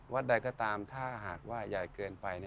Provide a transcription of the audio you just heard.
ใดก็ตามถ้าหากว่าใหญ่เกินไป